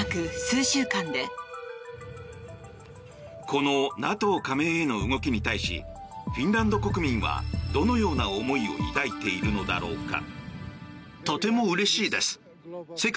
このＮＡＴＯ加盟への動きに対し、フィンランド国民はどのような思いを抱いているのだろうか。